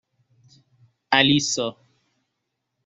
اَلیسا